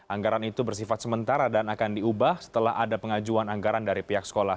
anggaran itu bersifat sementara dan akan diubah setelah ada pengajuan anggaran dari pihak sekolah